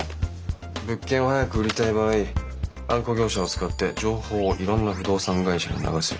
物件を早く売りたい場合あんこ業者を使って情報をいろんな不動産会社に流す。